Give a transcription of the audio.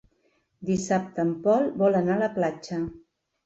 Dissabte en Pol vol anar a la platja.